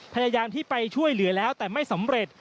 พยายามที่ไปช่วยเหลือแล้วแต่ไม่สำเร็จ